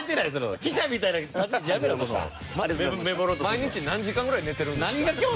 毎日何時間ぐらい寝てるんですか？